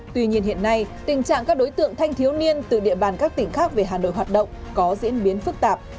tuy nhiên hiện nay tình trạng các đối tượng thanh thiếu niên từ địa bàn các tỉnh khác về hà nội hoạt động có diễn biến phức tạp